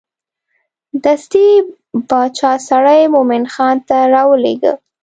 دستې باچا سړی مومن خان ته راولېږه.